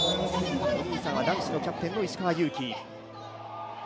お兄さんは男子のキャプテンの石川祐希。